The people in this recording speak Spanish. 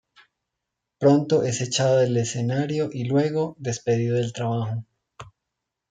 Pronto es echado del escenario y luego, despedido del trabajo.